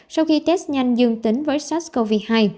sau khi test nhanh dương tính với sars cov hai